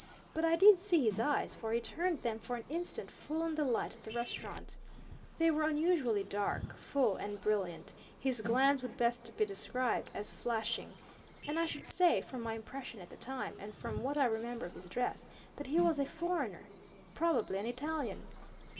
But I did see his eyes, for he turned them for an instant full on the light of the restaurant. They were unusually dark, full and brilliant his glance would best be described as flashing. And I should say, from my impression at the time, and from what I remember of his dress, that he was a foreigner probably an Italian."